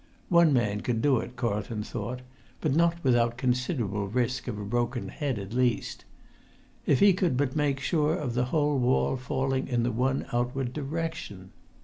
One man could do it, Carlton thought, but not without considerable risk of a broken head at least. If he could but make sure of the whole wall falling in the one outward direction!